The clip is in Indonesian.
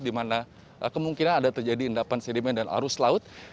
di mana kemungkinan ada terjadi endapan sedimen dan arus laut